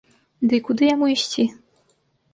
Ды і куды яму ісці?